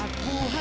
ini jalan kemana